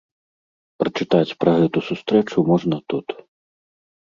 Прачытаць пра гэту сустрэчу можна тут.